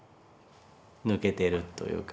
抜けてるというか